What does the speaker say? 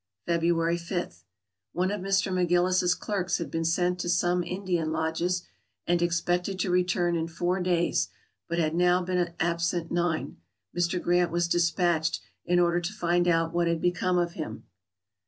February 5. — One of Mr. McGillis's clerks had been sent to some Indian lodges, and expected to return in four days, but had now been absent nine. Mr. Grant was dis patched, in order to find out what had become of him.